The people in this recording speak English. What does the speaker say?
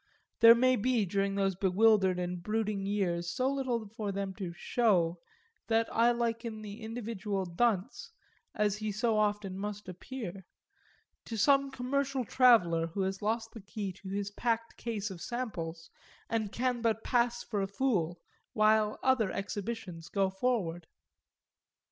There may be during those bewildered and brooding years so little for them to "show" that I liken the individual dunce as he so often must appear to some commercial traveller who has lost the key to his packed case of samples and can but pass for a fool while other exhibitions go forward.